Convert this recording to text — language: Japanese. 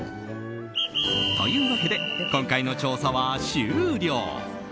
というわけで、今回の調査は終了。